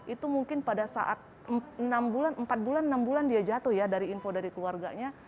itu mungkin pada saat empat enam bulan dia jatuh ya dari info dari keluarganya